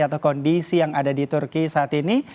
atau kondisi yang ada di turki saat ini